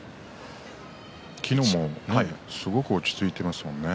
昨日もすごく落ち着いていましたもんね